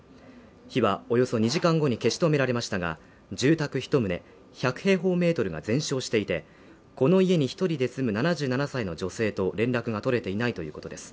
火はおよそ２時間後に消し止められましたが住宅一棟１００平方メートルが全焼していてこの家に１人で住む７７歳の女性と連絡が取れていないということです。